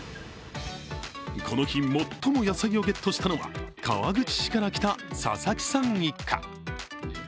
この日、最も野菜をゲットしたのは川口市から来た佐々木さん一家。